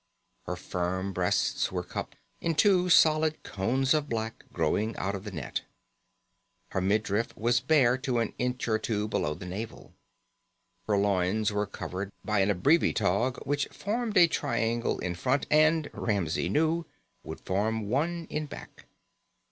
Her firm breasts were cupped in two solid cones of black growing out of the net. Her midriff was bare to an inch or two below the navel. Her loins were covered by an abrevitog which formed a triangle in front and, Ramsey knew, would form one in back.